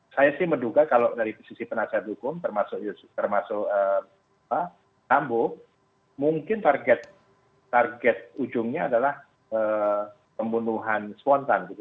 saya sih menduga kalau dari sisi penasihat hukum termasuk sambo mungkin target ujungnya adalah pembunuhan spontan gitu